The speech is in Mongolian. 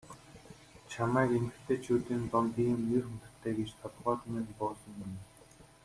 Чамайг эмэгтэйчүүдийн дунд ийм нэр хүндтэй гэж толгойд минь буусангүй.